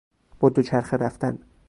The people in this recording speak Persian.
با دوچرخه رفتن